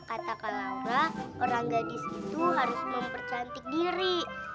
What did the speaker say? kata kalangra orang gadis itu harus mempercantik diri